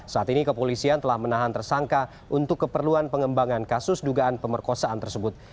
saat ini kepolisian telah menahan tersangka untuk keperluan pengembangan kasus dugaan pemerkosaan tersebut